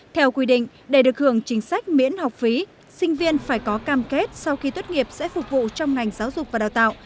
theo quy định để được hưởng chính sách miễn học phí sinh viên phải có cam kết sau khi tốt nghiệp sẽ phục vụ trong ngành giáo dục và đào tạo